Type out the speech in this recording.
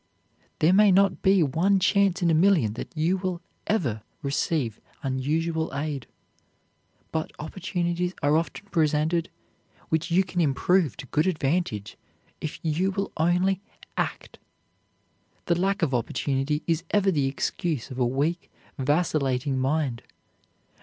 There may not be one chance in a million that you will ever receive unusual aid; but opportunities are often presented which you can improve to good advantage, if you will only act. The lack of opportunity is ever the excuse of a weak, vacillating mind.